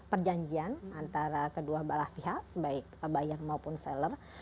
perjanjian antara kedua balah pihak baik buyer maupun seller